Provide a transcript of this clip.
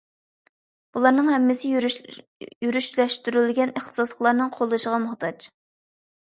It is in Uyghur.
بۇلارنىڭ ھەممىسى يۈرۈشلەشتۈرۈلگەن ئىختىساسلىقلارنىڭ قوللىشىغا موھتاج.